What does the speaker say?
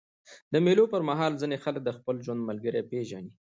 د مېلو پر مهال ځيني خلک د خپل ژوند ملګری پېژني.